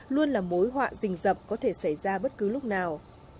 luôn là mối hoạ dình dập có thể xảy ra bất cứ lúc nào